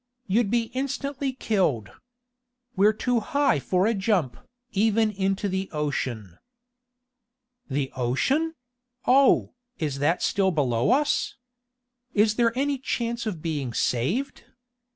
You'd be instantly killed. We're too high for a jump, even into the ocean." "The ocean! Oh, is that still below us? Is there any chance of being saved?